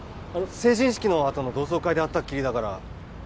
成人式の後の同窓会で会ったっきりだから。